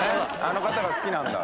あの方が好きなんだ。